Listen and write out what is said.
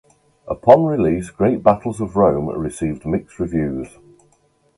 Upon release "Great Battles of Rome" received mixed reviews.